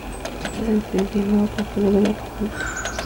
Esta estación se llamaba "Pozuelo de la República".